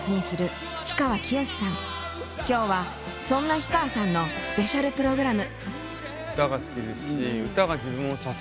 今日はそんな氷川さんのスペシャルプログラム。